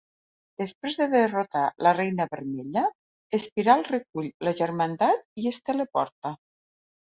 Després de derrotar la Reina Vermella, Espiral recull la Germandat i es teleporta.